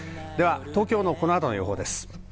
東京のこの後の予報です。